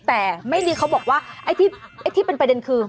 แต่แม่นี้เขาบอกว่าไอ้ที่เป็นประเด็นคือ